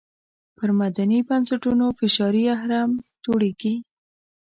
پر مدني بنسټونو فشاري اهرم جوړېږي.